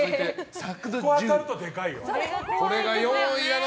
ここが当たるとでかいよ。